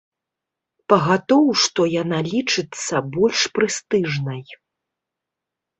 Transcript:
Пагатоў што яна лічыцца больш прэстыжнай.